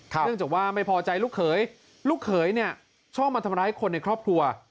เนื่องจากว่าไม่พอใจลูกเขยลูกเขยเนี่ยชอบมาทำร้ายคนในครอบครัว